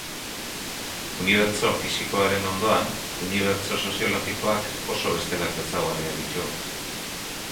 Unibertso fisikoaren ondoan, unibertso soziologikoak oso bestelako ezaugarriak ditu.